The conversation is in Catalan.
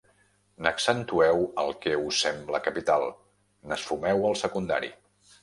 N'accentueu el què us sembla capital, n'esfumeu el secundari